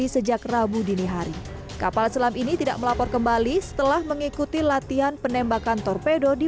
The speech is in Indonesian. sehari hari kapal selam ini tidak melapor kembali setelah mengikuti latihan penembakan torpedo di